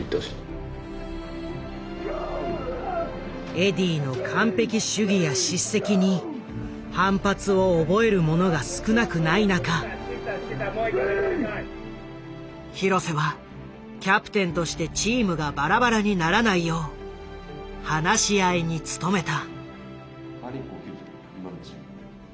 エディーの完璧主義や叱責に反発を覚える者が少なくない中廣瀬はキャプテンとしてチームがバラバラにならないよう話し合いに努めた。